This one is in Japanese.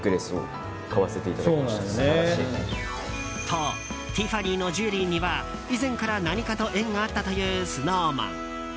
と、ティファニーのジュエリーには以前から何かと縁があったというＳｎｏｗＭａｎ。